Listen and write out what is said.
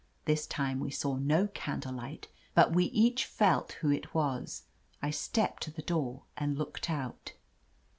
This time we saw no candlelight, but we each felt who it was. I stepped to the door and looked out.